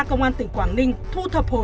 cơ quan tỉnh quảng ninh